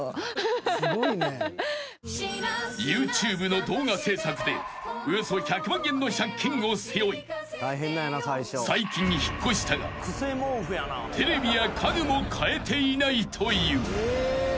［ＹｏｕＴｕｂｅの動画制作でおよそ１００万円の借金を背負い最近引っ越したがテレビや家具も買えていないという］